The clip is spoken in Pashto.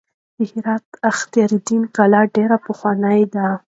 د هرات اختیار الدین کلا ډېره پخوانۍ ده.